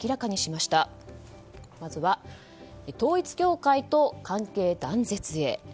まずは統一教会と関係断絶へ。